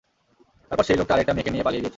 তারপর সেই লোকটা আরেকটা মেয়েকে নিয়ে পালিয়ে গিয়েছে!